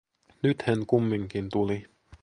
Nyt hän kumminkin tuli.